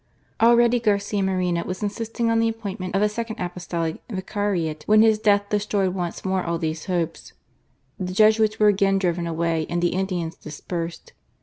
Already Garcia Moreno was insisting on the appointment of a second apostolic vicariate, when his death destroyed once more all these hopes. The Jesuits were again driven away and the Indians dispersed.